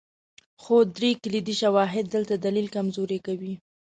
خو درې کلیدي شواهد دغه دلیل کمزوری کوي.